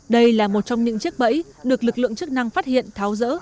đây là một trong những chiếc bẫy được lực lượng chức năng phát hiện tháo rỡ